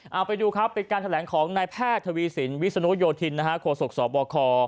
เอาไปดูครับเป็นการแถลงของนายแพทย์ทวีสินวิศนุโยธินโคศกสบค